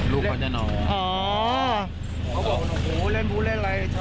ลูกเขาจะหนอเขาบอกเหรอโอ้โหเล่นฟูเล่นอะไรเขาจะนอน